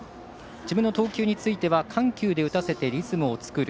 自分については緩急で押してリズムを作る。